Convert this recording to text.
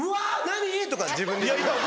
何？とか自分で言う。